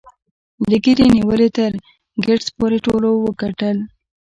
له ګيري نیولې تر ګیټس پورې ټولو وګټل